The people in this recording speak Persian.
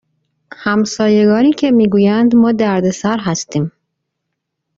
همسایگانی که می گویند ما دردسر هستیم